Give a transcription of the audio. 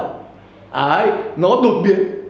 đấy nó đột biến